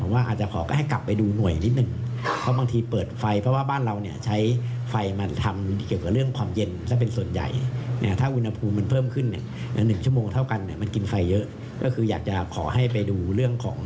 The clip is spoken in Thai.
ว่าหน่วยเป็นยังไงถ้าหน่วยมากขึ้น